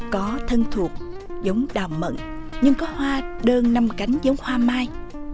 có thân thuộc giống đào mận nhưng có hoa đơn năm cánh giống hoa mai